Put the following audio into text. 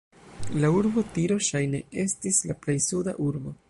La urbo Tiro ŝajne estis la plej suda urbo.